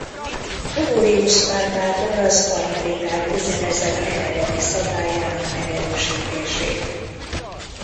Honorius pápától az karmeliták úgynevezett Eredeti Szabályának megerősítését.